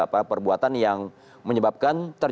apa perbuatan yang menyebabkan terjadi apa